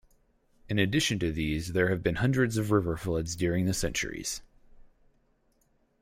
In addition to these there have been hundreds of river floods during the centuries.